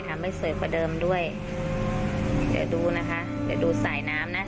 ทำให้สวยกว่าเดิมด้วยเดี๋ยวดูนะคะเดี๋ยวดูสายน้ำนะ